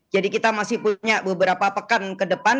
jadi kita masih punya beberapa pekan ke depan